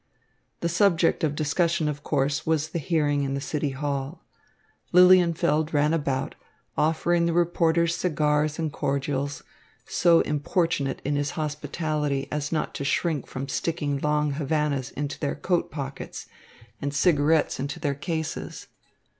The subject of discussion, of course, was the hearing in the City Hall. Lilienfeld ran about, offering the reporters cigars and cordials, so importunate in his hospitality as not to shrink from sticking long Havanas into their coat pockets and cigarettes into their cases.